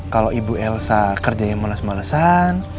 kalau ibu elsa kerjanya males malesan